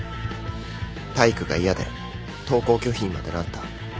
体育が嫌で登校拒否にまでなった。